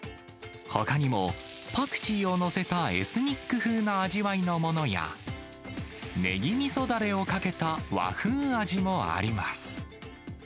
ほかにもパクチーを載せたエスニック風な味わいのものや、ネギみそだれをかけた和風味もあります。